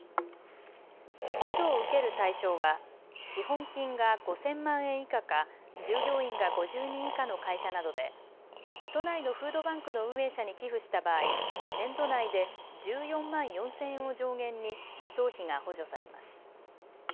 補助を受ける対象は資本金が５０００万円以下か従業員が５０人以下の会社などで都内のフードバンクの運営者に寄付した場合、年度内で１４万４０００円を上限に輸送費が補助されます。